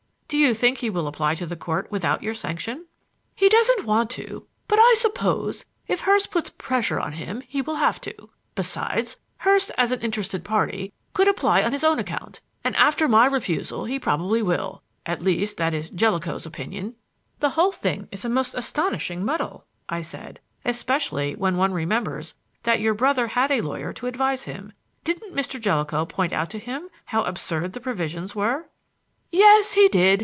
"Do you think he will apply to the Court without your sanction?" "He doesn't want to; but I suppose, if Hurst puts pressure on him, he will have to. Besides, Hurst, as an interested party, could apply on his own account, and after my refusal he probably will; at least, that is Jellicoe's opinion." "The whole thing is a most astonishing muddle," I said, "especially when one remembers that your brother had a lawyer to advise him. Didn't Mr. Jellicoe point out to him how absurd the provisions were?" "Yes, he did.